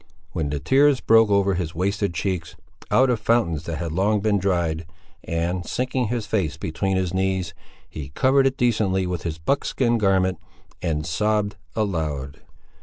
when the tears broke over his wasted cheeks, out of fountains that had long been dried, and, sinking his face between his knees, he covered it decently with his buckskin garment, and sobbed aloud.